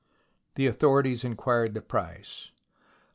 The authorities inquired the price.